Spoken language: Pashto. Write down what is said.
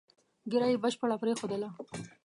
ږیره یې بشپړه پرېښودله.